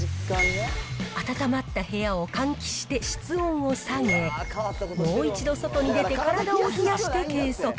温まった部屋を換気して室温を下げ、もう一度、外に出て体を冷やして計測。